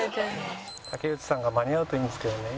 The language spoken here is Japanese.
竹内さんが間に合うといいんですけどね。